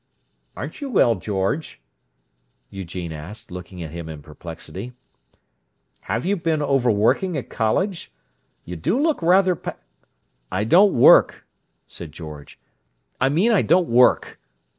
"Aren't you well, George?" Eugene asked, looking at him in perplexity. "Have you been overworking at college? You do look rather pa—" "I don't work," said George. "I mean I don't work.